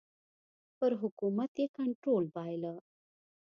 پر حکومت یې کنټرول بایله.